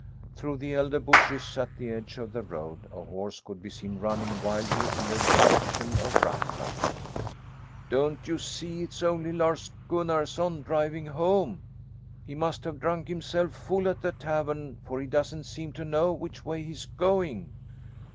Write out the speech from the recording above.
Through the elder bushes at the edge of the road a horse could be seen running wildly in the direction of Ruffluck. "Don't you see it's only Lars Gunnarson driving home? He must have drunk himself full at the tavern, for he doesn't seem to know which way he's going."